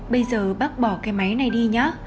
bây giờ bác bỏ cái máy này đi nhé